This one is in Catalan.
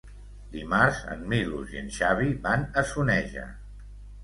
Dimarts en Milos i en Xavi van a Soneja.